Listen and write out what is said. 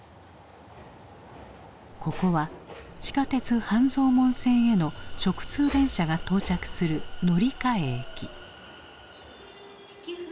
ここは地下鉄半蔵門線への直通電車が到着する乗換駅。